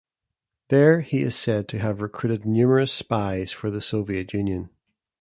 There he is said to have recruited numerous spies for the Soviet Union.